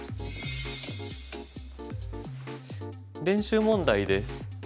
練習問題です。